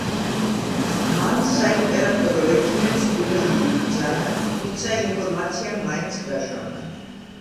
მან საიმპერატორო ექიმებს დუმილი უბრძანა, თუმცა ინფორმაციამ მაინც გაჟონა.